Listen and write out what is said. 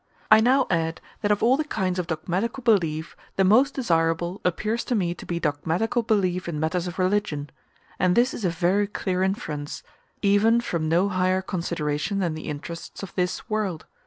I now add, that of all the kinds of dogmatical belief the most desirable appears to me to be dogmatical belief in matters of religion; and this is a very clear inference, even from no higher consideration than the interests of this world.